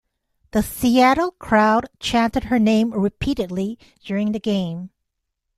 The Seattle crowd chanted her name repeatedly during the game.